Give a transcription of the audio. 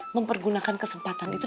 mempergunakan kesempatan itu